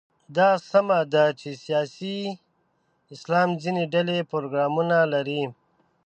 دا سمه ده چې سیاسي اسلام ځینې ډلې پروګرامونه لري.